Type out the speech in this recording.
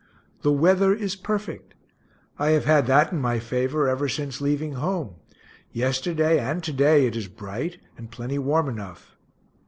The weather is perfect I have had that in my favor ever since leaving home yesterday and to day it is bright, and plenty warm enough.